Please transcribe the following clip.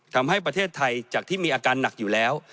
ทำให้ประเทศไทยจากที่มีอาการหนักอยู่แล้ว